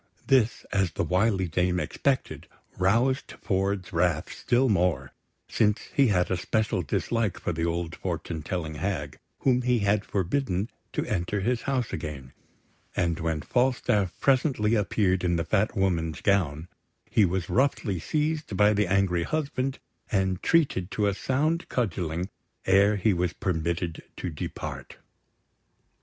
This, as the wily dame expected, roused Ford's wrath still more, since he had a special dislike for the old fortune telling hag, whom he had forbidden to enter his house again; and when Falstaff presently appeared in the Fat Woman's gown, he was roughly seized by the angry husband, and treated to a sound cudgelling ere he was permitted to depart.